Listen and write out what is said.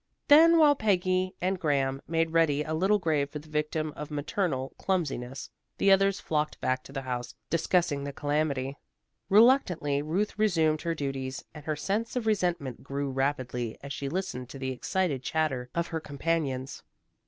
Then while Peggy and Graham made ready a little grave for the victim of maternal clumsiness, the others flocked back to the house discussing the calamity. Reluctantly Ruth resumed her duties, and her sense of resentment grew rapidly, as she listened to the excited chatter of her companions.